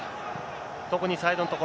特にサイドの所。